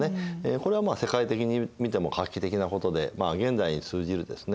これは世界的に見ても画期的なことで現代に通じるですね